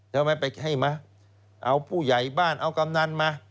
ทำไมไปให้มาเอาผู้ใหญ่บ้านเอากำนันมา